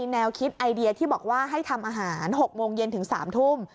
แนวคิดไอเดียที่บอกว่าให้ทำอาหาร๖โมงเย็นถึง๓ทุ่ม